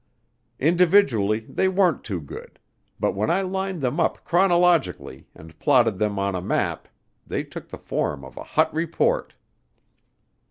Individually they weren't too good, but when I lined them up chronologically and plotted them on a map they took the form of a hot report.